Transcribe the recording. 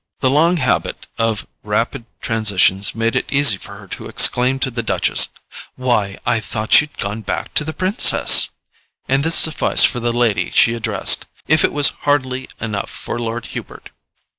The long habit of rapid transitions made it easy for her to exclaim to the Duchess: "Why, I thought you'd gone back to the Princess!" and this sufficed for the lady she addressed, if it was hardly enough for Lord Hubert.